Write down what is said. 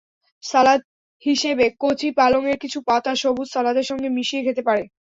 সালাদ হিসেবেকচি পালংয়ের কিছু পাতা সবুজ সালাদের সঙ্গে মিশিয়ে খেতে পারে।